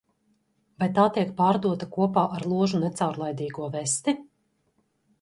Vai tā tiek pārdota kopā ar ložu necaurlaidīgo vesti?